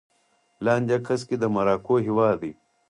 لاندې عکس کې د مراکو هېواد دی